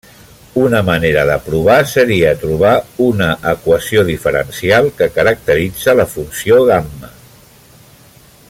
Una manera de provar seria trobar una equació diferencial que caracteritza la funció gamma.